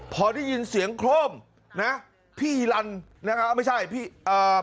พอได้ยินเสียงโคร่มนะพี่อีลันนะฮะไม่ใช่พี่เอ่อ